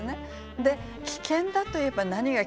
で危険だといえば何が危険か。